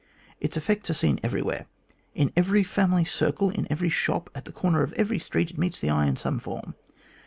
Its effects are seen every where. In every family circle, in every shop, at the corner of every street, it meets the eye in some form.